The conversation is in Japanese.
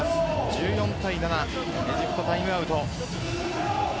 １４対７エジプトタイムアウト。